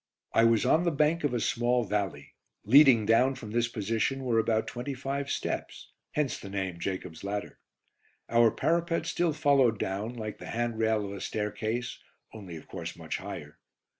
I was on the bank of a small valley; leading down from this position were about twenty five steps, hence the name "Jacob's Ladder." Our parapet still followed down, like the handrail of a staircase, only of course much higher.